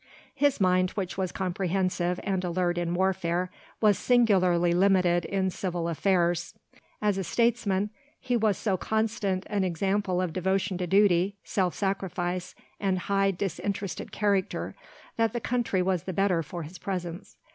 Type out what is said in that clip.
His mind, which was comprehensive and alert in warfare, was singularly limited in civil affairs. As a statesman he was so constant an example of devotion to duty, self sacrifice, and high disinterested character, that the country was the better for his presence.